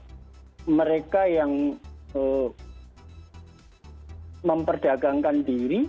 karena mereka yang memperdagangkan diri